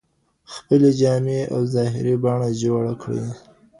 خپلې جامې او ظاهري بڼه جوړه کړئ.